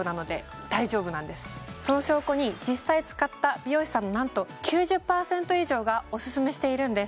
その証拠に実際使った美容師さんのなんと９０％以上がオススメしているんです